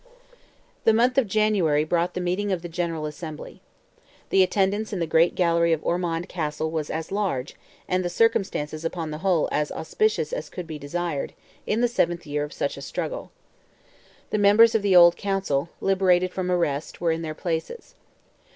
The month of January brought the meeting of the General Assembly. The attendance in the great gallery of Ormond Castle was as large, and the circumstances upon the whole as auspicious as could be desired, in the seventh year of such a struggle. The members of the old council, liberated from arrest, were in their places.